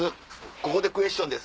ここでクエスチョンです